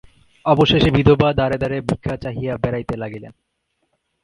অবশেষে বিধবা দ্বারে দ্বারে ভিক্ষা চাহিয়া বেড়াইতে লাগিলেন।